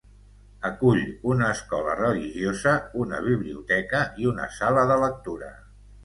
Acull una escola religiosa, una biblioteca i una sala de lectura.